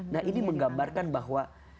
nah ini menggambarkan bahwa